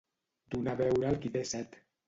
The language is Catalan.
Donar beure al qui té set.